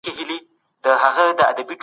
د کار ځواک روزنه د صنعت اړتیا ده.